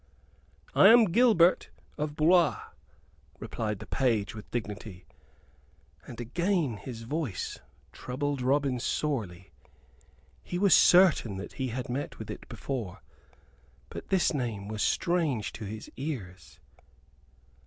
"I am Gilbert of Blois," replied the page, with dignity; and again his voice troubled Robin sorely. He was certain that he had met with it before; but this name was strange to his ears.